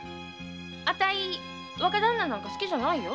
あたい若旦那なんか好きじゃないよ。